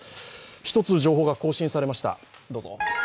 １つ、情報が更新されました。